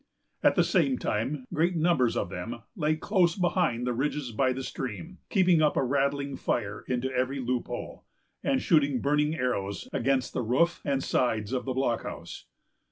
At the same time, great numbers of them lay close behind the ridges by the stream, keeping up a rattling fire into every loophole, and shooting burning arrows against the roof and sides of the blockhouse.